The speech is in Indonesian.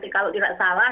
kalau tidak salah